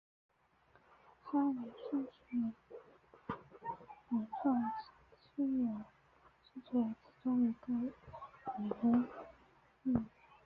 哈里逊温泉原称圣雅丽斯泉其中一个女儿命名。